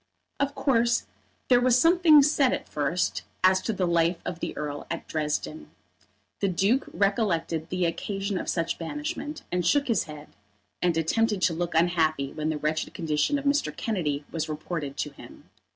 Of course there was something said at first as to the life of the Earl at Dresden. The Duke recollected the occasion of such banishment, and shook his head; and attempted to look unhappy when the wretched condition of Mr. Kennedy was reported to him.